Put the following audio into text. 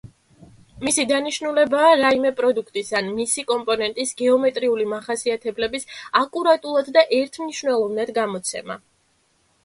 მისი დანიშნულებაა რაიმე პროდუქტის ან მისი კომპონენტის გეომეტრიული მახასიათებლების აკურატულად და ერთმნიშვნელოვნად გადმოცემა.